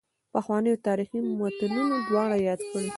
پخوانیو تاریخي متونو دواړه یاد کړي.